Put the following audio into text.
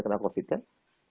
karena covid kan